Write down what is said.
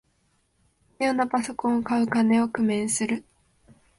必要なパソコンを買う金を工面する